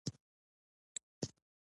شېرګل او وړانګې ودرېدل.